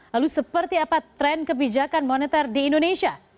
lalu seperti apa tren kebijakan moneter di indonesia